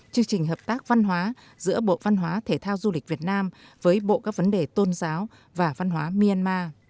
chương trình hợp tác văn hóa giữa bộ văn hóa thể thao du lịch việt nam với bộ các vấn đề tôn giáo và văn hóa myanmar